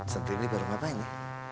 senti ini baru ngapain ya